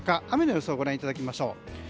雨の予想、ご覧いただきましょう。